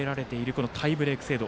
このタイブレーク制度